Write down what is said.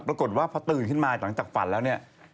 ปรากฏว่าพอตื่นขึ้นมาหลังจากฝันแล้วเนี่ย